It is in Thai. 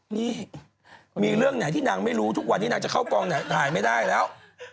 นี่มีเรื่องไหนที่นางไม่รู้ทุกวันนี้นางจะเข้ากองไหนถ่ายไม่ได้แล้ว